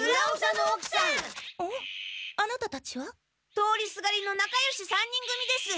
通りすがりのなかよし３人組です。